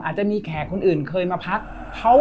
อาจจะมีแขกคนอื่นเคยมาพัก